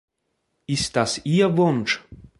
Ist das Ihr Wunsch?